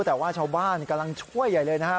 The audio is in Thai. แต่ว่าชาวบ้านกำลังช่วยใหญ่เลยนะฮะ